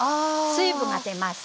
水分が出ます。